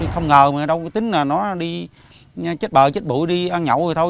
không ngờ mà đâu cái tính là nó đi chết bờ chết bụi đi ăn nhậu rồi thôi